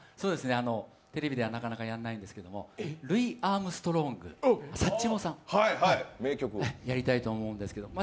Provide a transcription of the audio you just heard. テレビではなかなかやらないんですけど、ルイ・アームストロング、サッチモさんをやりたいと思うんですけど。